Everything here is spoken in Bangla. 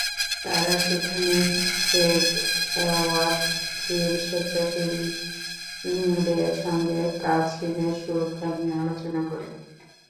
তাঁরা সেখানে সেভ আওয়ার সির স্বেচ্ছাসেবীদের সঙ্গে কাছিমের সুরক্ষা নিয়ে আলোচনা করেন।